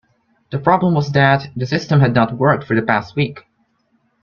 The problem was that the system had not worked for the past week